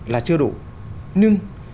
là chưa đủ nhưng